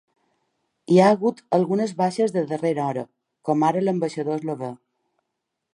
Hi ha hagut algunes baixes de darrera hora, com ara l’ambaixador eslovè.